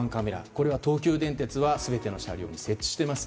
これは東急電鉄は全ての車両に設置しています。